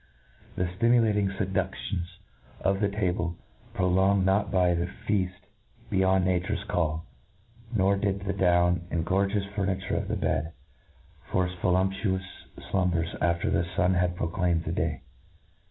The ftimula ting fedudions of the table prolonged not. the feaft beyond nature's call j nor ^id the down arid gorgeous furniture of the bed force voluptuous flumbers after the fvm had proclaimed the day.